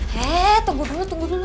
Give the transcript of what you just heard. he he he he tunggu dulu tunggu dulu